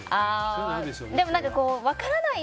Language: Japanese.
でも、分からない